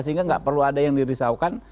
sehingga nggak perlu ada yang dirisaukan